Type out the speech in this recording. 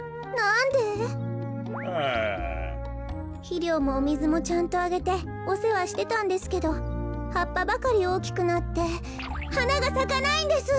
ひりょうもおみずもちゃんとあげておせわしてたんですけどはっぱばかりおおきくなってはながさかないんです。